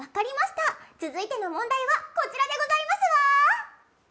続いての問題はこちらでございますわ！